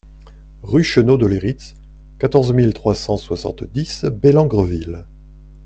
Rue Cheneaux de Leyritz, quatorze mille trois cent soixante-dix Bellengreville